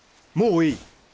もういい。